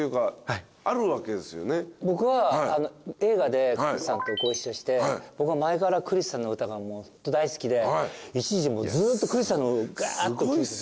僕は映画でクリスさんとご一緒して僕は前からクリスさんの歌がもうホント大好きで一時ずっとクリスさんのをガーッと聴いて。